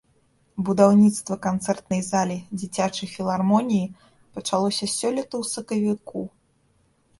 Будаўніцтва канцэртнай залі дзіцячай філармоніі пачалося сёлета ў сакавіку.